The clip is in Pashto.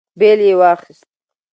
بېل يې واخيست.